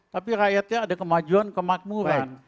tapi rakyatnya ada kemajuan kemakmuran